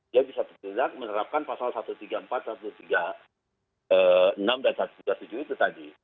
dia bisa bertindak menerapkan pasal satu ratus tiga puluh empat satu ratus tiga puluh enam dan satu ratus tiga puluh tujuh itu tadi